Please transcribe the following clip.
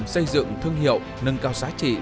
xây dựng thương hiệu nâng cao giá trị